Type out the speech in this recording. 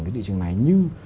cái thị trường này như